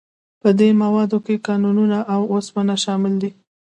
په دې موادو کې کانونه او اوسپنه شامل دي.